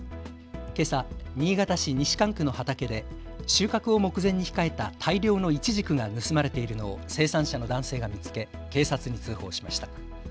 けさ、新潟市西蒲区の畑で収穫を目前に控えた大量のイチジクが盗まれているのを生産者の男性が見つけ警察に通報しました。